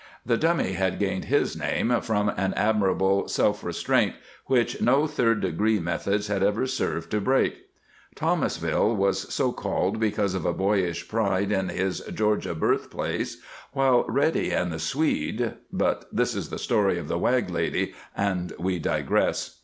The Dummy had gained his name from an admirable self restraint which no "third degree" methods had ever served to break; Thomasville was so called because of a boyish pride in his Georgia birthplace; while Reddy and the Swede But this is the story of the Wag lady, and we digress.